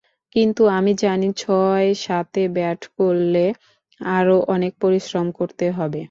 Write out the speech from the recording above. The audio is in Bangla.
কিন্তু আমি জানি, ছয়-সাতে ব্যাট করলে আরও অনেক পরিশ্রম করতে হবে।